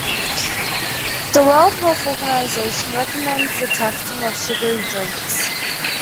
The World Health Organization recommends the taxing of sugary drinks.